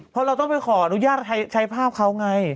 เพราะเราต้องไปขออนุญาตใช้ภาพเขาไง